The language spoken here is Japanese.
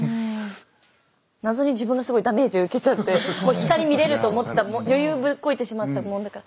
謎に自分がすごいダメージ受けちゃって光見れると思ってた余裕ぶっこいてしまってたもんだから。